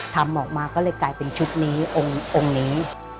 ทำออกมาก็เลยกลายเป็นชุดนี้องค์นี้